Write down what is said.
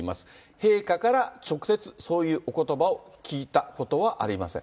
陛下から直接そういうおことばを聞いたことはありません。